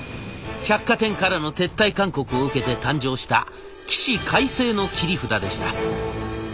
百貨店からの撤退勧告を受けて誕生した起死回生の切り札でした。